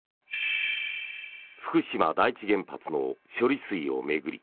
福島第一原発の処理水を巡り